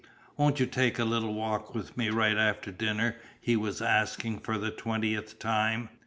"Won't you take a little walk with me right after dinner?" he was asking for the twentieth time.